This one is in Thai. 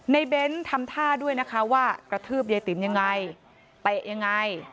เน้นทำท่าด้วยนะคะว่ากระทืบยายติ๋มยังไงเตะยังไง